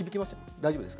大丈夫です。